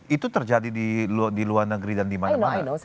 itu terjadi di luar negeri dan di mana mana